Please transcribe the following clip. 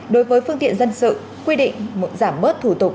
đối với phương tiện dân sự quy định giảm bớt thủ tục